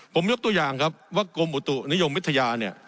ผมยกตัวอย่างครับว่ากรมอุตุนิยมวิทยาเนี่ย